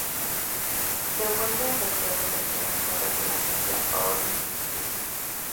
De vuelta en Santiago, se estrena nueva escenografía, ahora en un estudio.